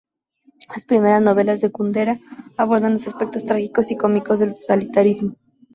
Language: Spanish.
Las primeras novelas de Kundera abordan los aspectos trágicos y cómicos del totalitarismo.